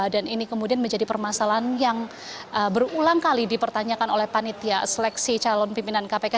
dan ini kemudian menjadi permasalahan yang berulang kali dipertanyakan oleh panitia seleksi calon pimpinan kpk